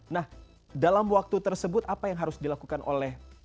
nah dalam waktu tersebut apa yang harus dilakukan oleh pihak pertamina ini